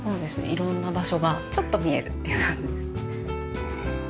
色んな場所がちょっと見えるっていう感じ。